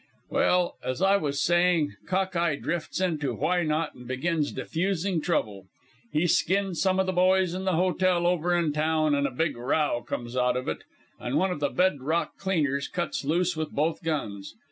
"Well, as I was saying, Cock eye drifts into Why not and begins diffusing trouble. He skins some of the boys in the hotel over in town, and a big row comes of it, and one of the bed rock cleaners cuts loose with both guns.